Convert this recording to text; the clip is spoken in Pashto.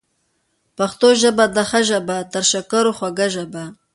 پښتو ژبه ده ښه ژبه، تر شکرو خوږه ژبه